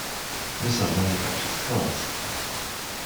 Nissan manufactures cars.